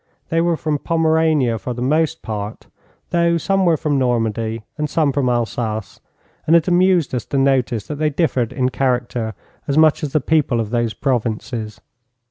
They were from Pomerania for the most part, though some were from Normandy and some from Alsace, and it amused us to notice that they differed in character as much as the people of those provinces.